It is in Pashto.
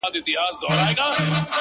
o تالنده برېښنا يې خــوښـــــه ســوېده،